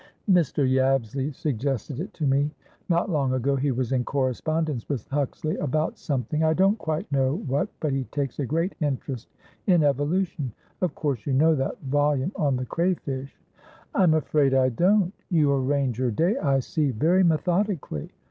Mr. Yabsley suggested it to me. Not long ago he was in correspondence with Huxley about somethingI don't quite know what but he takes a great interest in Evolution. Of course you know that volume on the Crayfish?" "I'm afraid I don't. You arrange your day, I see, very methodically."